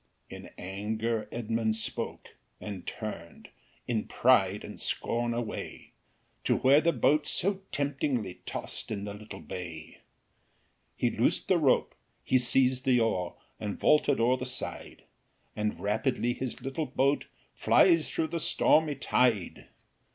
In anger Edmund spoke, and turn'd In pride and scorn away, To where the boat so temptingly, Toss'd in the little bay. He loos'd the rope, he seized the oar, And vaulted o'er the side, And rapidly his little boat Flies through the stormy tide.